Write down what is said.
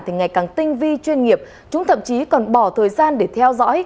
thì ngày càng tinh vi chuyên nghiệp chúng thậm chí còn bỏ thời gian để theo dõi